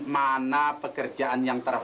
mana pekerjaan yang terhoror